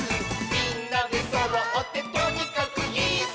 「みんなでそろってとにかくイス！」